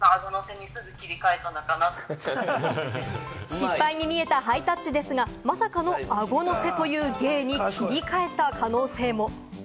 失敗に見えたハイタッチですが、まさかの、あごのせという芸に切り替えた可能性も。